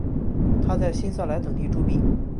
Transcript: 他在新萨莱等地铸币。